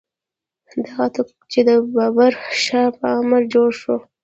دغه طاق چې د بابر شاه په امر جوړ شو.